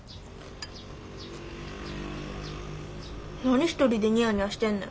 何一人でニヤニヤしてんねん。